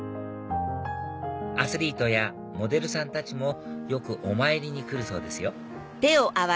アスリートやモデルさんたちもよくお参りに来るそうですよ